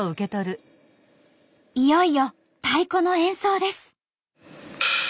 いよいよ太鼓の演奏です。